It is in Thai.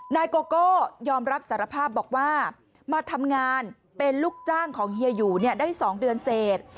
นายโกโก้ยอมรับสารภาพบอกว่ามาทำงานเป็นลูกจ้างของเฮียหยูได้๒เดือนเสร็จ